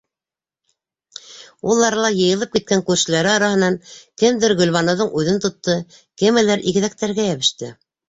Ул арала йыйылып киткән күршеләре араһынан кемдер Гөлбаныуҙың үҙен тотто, кемелер игеҙәктәргә йәбеште.